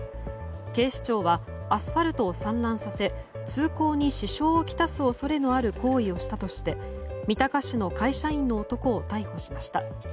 警視庁はアスファルトを散乱させ通行に支障をきたす恐れのある行為をしたとして三鷹市の会社員の男を逮捕しました。